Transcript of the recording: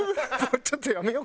ちょっとやめよう。